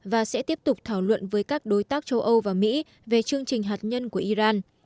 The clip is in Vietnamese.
và sẽ tiếp tục thảo luận với các đối tác châu âu và mỹ về chương trình hạt nhân của iran